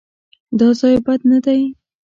_دا ځای بد نه دی.